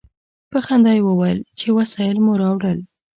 په خندا یې وویل چې وسایل مو راوړل.